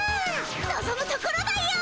のぞむところだよ。